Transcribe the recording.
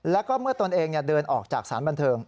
แล้วก็เมื่อตนเองเดินออกจากสารบันเทิง